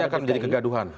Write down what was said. ini akan menjadi kegaduhan